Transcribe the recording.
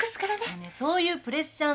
そういうプレッシャーなの。